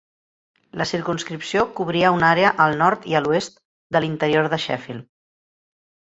La circumscripció cobria una àrea al nord i a l'oest de l'interior de Sheffield.